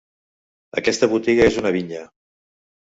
Aquesta botiga és una vinya.